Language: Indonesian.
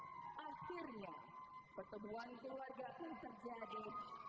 untuk membicarakan segala keperluan